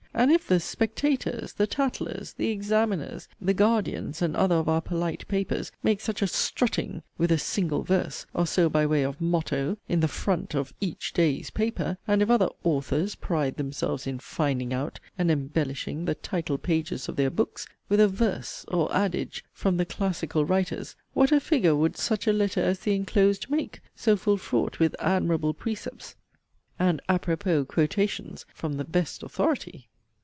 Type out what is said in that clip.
And if the 'Spectators,' the 'Tatlers,' the 'Examiners,' the 'Guardians,' and other of our polite papers, make such a 'strutting' with a 'single verse,' or so by way of 'motto,' in the 'front' of 'each day's' paper; and if other 'authors' pride themselves in 'finding out' and 'embellishing' the 'title pages' of their 'books' with a 'verse' or 'adage' from the 'classical writers'; what a figure would 'such a letter as the enclosed make,' so full fraught with 'admirable precepts,' and 'à propos quotations,' from the 'best authority'?